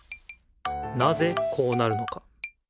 なぜこうなるのか。